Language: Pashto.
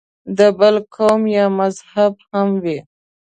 د بل قوم یا مذهب هم وي.